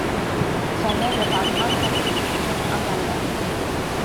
Son œuvre est en grande partie écrite en allemand.